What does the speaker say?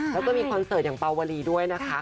แล้วก็มีคอนเสิร์ตอย่างปาวลีด้วยนะคะ